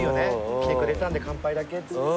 来てくれたんで乾杯だけっつってさ